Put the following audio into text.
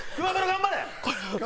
頑張れ！